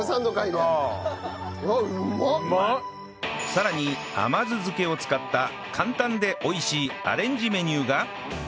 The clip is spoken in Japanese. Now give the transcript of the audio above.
さらに甘酢漬けを使った簡単で美味しいアレンジメニューが